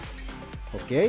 oke sudah siap memvaksin